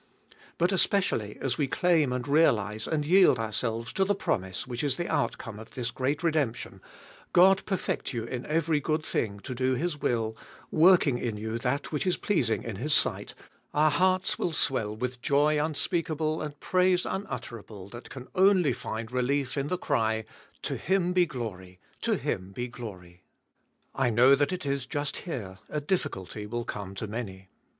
But especially as we claim and realise and yield ourselves to the promise which is the outcome of this great redemption, God perfect you in every good thing to do His will, working in you that which is pleasing in His sight, our hearts will swell with joy unspeakable and praise unutterable, that can only find relief in the cry, To Him be glory, to Him be glory ! I know that it is just here a difficulty will come to many.